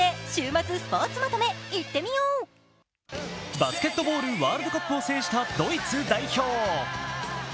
バスケットボールワールドカップを制したドイツ代表。